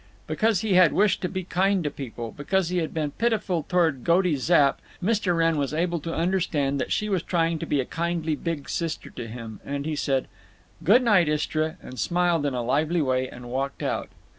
Because he had wished to be kind to people, because he had been pitiful toward Goaty Zapp, Mr. Wrenn was able to understand that she was trying to be a kindly big sister to him, and he said "Good night, Istra," and smiled in a lively way and walked out.